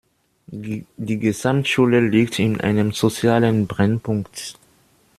Die Gesamtschule liegt in einem sozialen Brennpunkt.